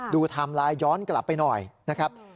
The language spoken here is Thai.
ไทม์ไลน์ย้อนกลับไปหน่อยนะครับ